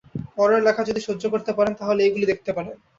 পরের লেখা যদি সহ্য করতে পারেন তা হলে এইগুলি দেখতে পারেন।